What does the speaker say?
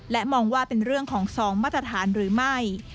และมองว่าเป็นเรื่องของ๒มาตรฐานหรือไม่